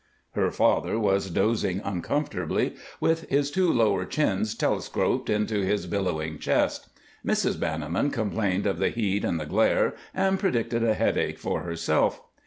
Her father was dozing uncomfortably, with his two lower chins telescoped into his billowing chest; Mrs. Banniman complained of the heat and the glare, and predicted a headache for herself.